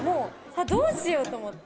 どうしようと思って。